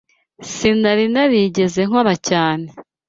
Sinari narigeze nkora cyane.